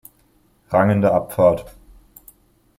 Rang in der Abfahrt.